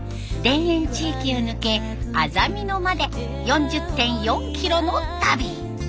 田園地域を抜けあざみ野まで４０．４キロの旅。